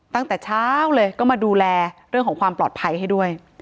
ตั้งแต่เช้าเลยก็มาดูแลเรื่องของความปลอดภัยให้ด้วย